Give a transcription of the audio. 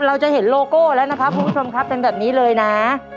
เราจะเห็นโลโก้แล้วนะครับคุณผู้ชมครับเป็นแบบนี้เลยนะ